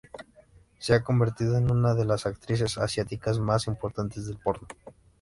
Se ha convertido en una de las actrices asiáticas más importantes del porno.